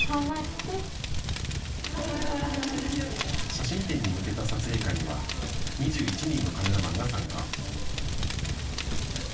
写真展に向けた撮影会には２１人のカメラマンが参加。